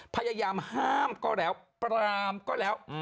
พยายามห้ามก็แล้วปรามก็แล้ว